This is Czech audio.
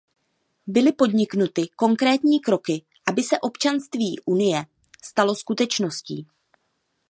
Byly podniknuty konkrétní kroky, aby se občanství Unie stalo skutečností.